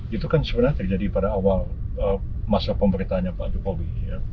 itu kan sebenarnya terjadi pada awal masa pemerintahnya pak jokowi